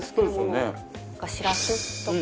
しらすとか。